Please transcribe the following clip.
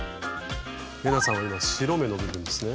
玲奈さんは白目の部分ですね。